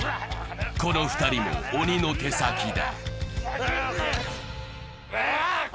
この２人も鬼の手先だ。